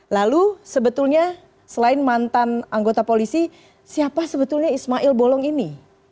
lalu sebetulnya selain mantan anggota polisi siapa sebetulnya ismail bolong ini